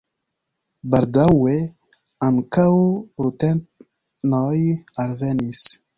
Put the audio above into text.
Baldaŭe ankaŭ rutenoj alvenis.